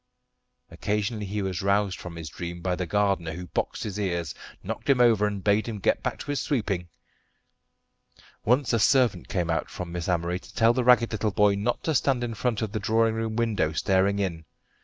Occasionally he was roused from his dream by the gardener, who boxed his ears, knocked him over, and bade him get back to his sweeping. Once a servant came out from Miss Amory to tell the ragged little boy not to stand in front of the drawing room window staring in.